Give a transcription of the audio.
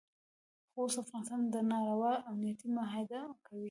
خو اوس افغانستان ناروا امنیتي معاهده کوي.